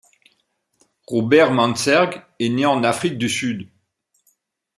Robert Mansergh est né en Afrique du Sud.